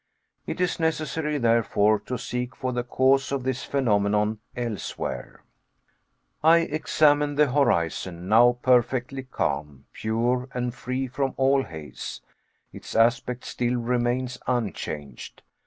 It is necessary, therefore, to seek for the cause of this phenomenon elsewhere. I examine the horizon, now perfectly calm, pure, and free from all haze. Its aspect still remains unchanged.